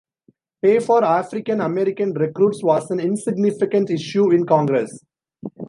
Pay for African American recruits was an insignificant issue in Congress.